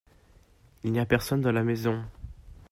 Il n'y a personne dans la maison.